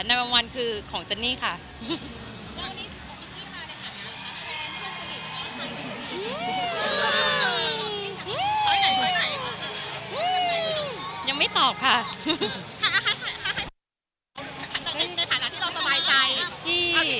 ในฐานะที่เราสบายใจ